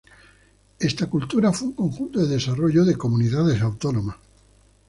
Esta cultura fue un conjunto de desarrollo de comunidades autónomas.